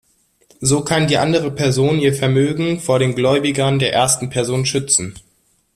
So kann die andere Person ihr Vermögen vor den Gläubigern der ersten Person schützen.